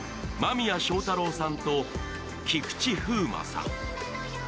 間宮祥太朗さんと菊池風磨さん。